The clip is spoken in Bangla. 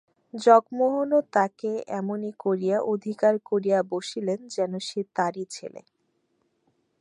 জগমোহনও তাকে এমনি করিয়া অধিকার করিয়া বসিলেন যেন সে তাঁরই ছেলে।